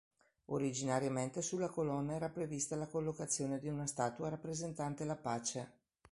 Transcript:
Originariamente sulla colonna era prevista la collocazione di una statua rappresentante la pace.